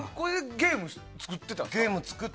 ゲームを作ってた！